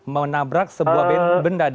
menabrak sebuah benda